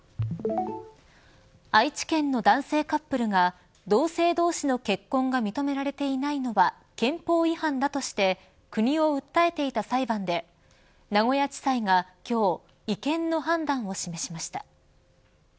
愛知県の男性カップルが同性同士の結婚が認められていないのは憲法違反だとして国を訴えていた裁判で名古屋地裁が今日違憲の判断を示しました。